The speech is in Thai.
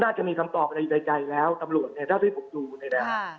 น่าจะมีคำตอบอะไรอยู่ในใจแล้วตำหลวงเนี้ยถ้าที่ผมดูในแรงค่ะ